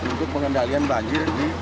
untuk mengendalikan banjir di